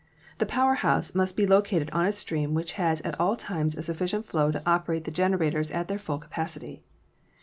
The power house must be located on a stream which has at all times a sufficient flow to operate the generators at their full capacity.